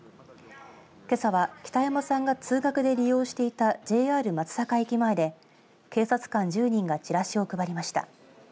けさは北山さんが通学で利用していたＪＲ松阪駅前で警察官１０人がチラシを配りました。